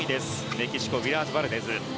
メキシコ、ウィラーズバルデズ。